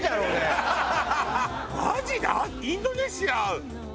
インドネシア。